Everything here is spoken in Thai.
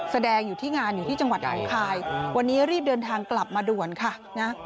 แสดงอยู่ที่งานอยู่ที่จังหวัดหนองคายวันนี้รีบเดินทางกลับมาด่วนค่ะนะ